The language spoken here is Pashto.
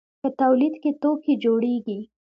په تولید کې توکي جوړیږي.